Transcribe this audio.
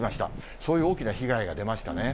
そういう大きな被害が出ましたね。